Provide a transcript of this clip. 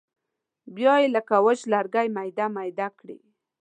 یا یې لکه وچ لرګی میده میده کړي.